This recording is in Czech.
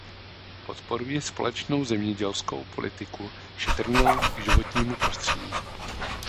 Podporuji společnou zemědělskou politiku šetrnou k životnímu prostředí!